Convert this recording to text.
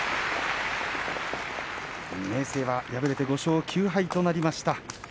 明生は敗れて５勝９敗となりました。